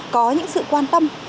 có những sự quan tâm